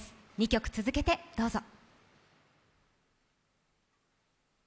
２曲続けてどうぞ。